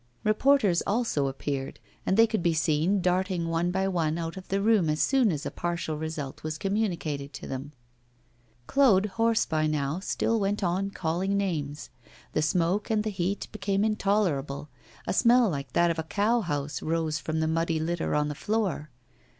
Reporters also appeared; and they could be seen darting one by one out of the room as soon as a partial result was communicated to them. Claude, hoarse by now, still went on calling names. The smoke and the heat became intolerable, a smell like that of a cow house rose from the muddy litter on the floor.